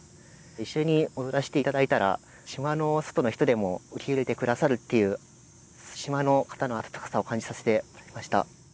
一緒に踊らせていただいたら島の外の人でも受け入れてくださるっていう島の方の温かさを感じさせてもらいました。